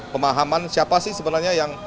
pemahaman siapa sih sebenarnya yang